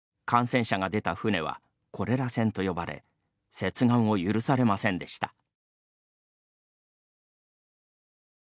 感染者が出た船はコレラ船と呼ばれ接岸を許されませんでした。